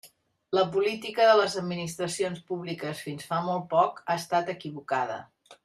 La política de les administracions públiques fins fa molt poc ha estat equivocada.